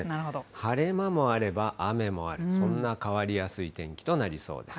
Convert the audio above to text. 晴れ間もあれば、雨もあり、そんな変わりやすい天気となりそうです。